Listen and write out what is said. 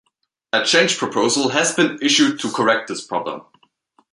A change proposal has been issued to correct this problem.